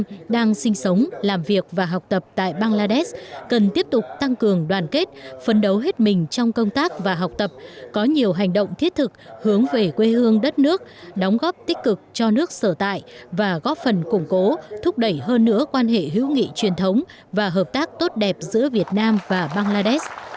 chủ tịch nước trần đại quang đang sinh sống làm việc và học tập tại bangladesh cần tiếp tục tăng cường đoàn kết phấn đấu hết mình trong công tác và học tập có nhiều hành động thiết thực hướng về quê hương đất nước đóng góp tích cực cho nước sở tại và góp phần củng cố thúc đẩy hơn nữa quan hệ hữu nghị truyền thống và hợp tác tốt đẹp giữa việt nam và bangladesh